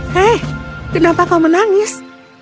hei kenapa kau menangis